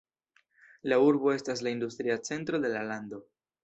La urbo estas la industria centro de la lando.